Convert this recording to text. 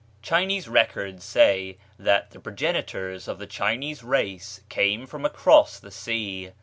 Chinese records say that the progenitors of the Chinese race came from across the sea."